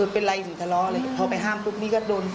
เป็นไรถึงทะเลาะเลยพอไปห้ามปุ๊บนี่ก็โดน